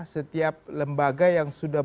setiap lembaga yang sudah